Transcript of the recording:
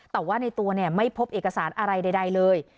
แต่ว่าในตัวไม่พบเอกสารอะไรใดเลย